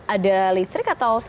ada listrik atau